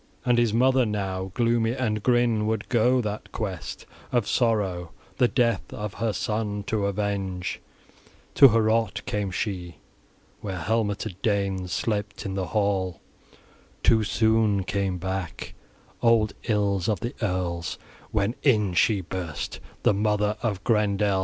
And his mother now, gloomy and grim, would go that quest of sorrow, the death of her son to avenge. To Heorot came she, where helmeted Danes slept in the hall. Too soon came back old ills of the earls, when in she burst, the mother of Grendel.